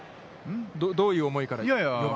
どういう思いから４番は。